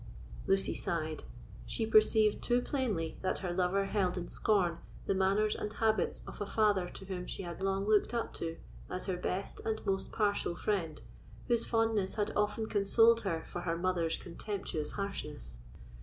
Lucy sighed; she perceived too plainly that her lover held in scorn the manners and habits of a father to whom she had long looked up as her best and most partial friend, whose fondness had often consoled her for her mother's contemptuous harshness.